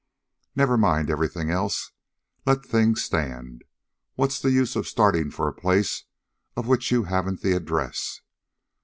Never mind everything else. Let things stand. What's the use of starting for a place of which you haven't the address.